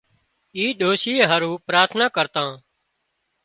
اِي ڏوشي هارو پراٿنا ڪرتان